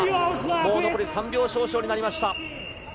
もう残り３秒少々になりました。